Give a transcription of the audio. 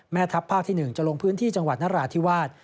แม่ทัพภาคที่๑จะลงพื้นที่จังหวัดนราธิวาส